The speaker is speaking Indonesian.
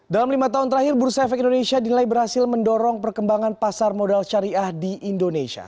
dalam lima tahun terakhir bursa efek indonesia dinilai berhasil mendorong perkembangan pasar modal syariah di indonesia